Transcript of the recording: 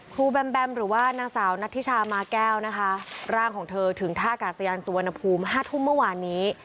แบมแบมหรือว่านางสาวนัทธิชามาแก้วนะคะร่างของเธอถึงท่ากาศยานสุวรรณภูมิ๕ทุ่มเมื่อวานนี้